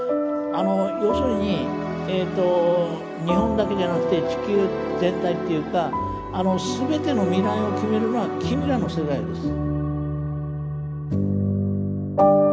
要するにえっと日本だけじゃなくて地球全体っていうか全ての未来を決めるのは君らの世代です。